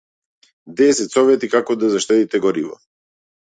Десет совети како да заштедите гориво